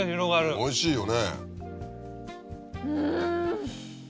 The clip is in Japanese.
おいしいね。